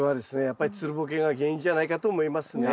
やっぱりつるボケが原因じゃないかと思いますね。